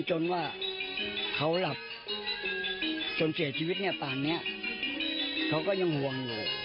จนว่าเขาหลับจนเสียชีวิตตอนนี้เขาก็ยังห่วง